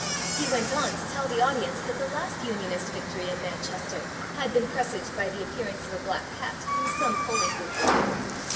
He went on to tell the audience that the last Unionist victory in Manchester had been presaged by the appearance of a black cat in some polling booth or other.